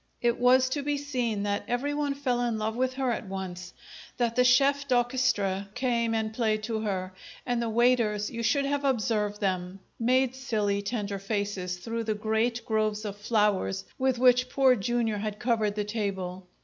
It was to be seen that everyone fell in love with her at once; that the chef d'orchestre came and played to her; and the waiters you should have observed them! made silly, tender faces through the great groves of flowers with which Poor Jr. had covered the table.